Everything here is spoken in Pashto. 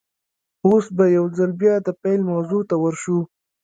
اوس به يوځل بيا د پيل موضوع ته ور شو.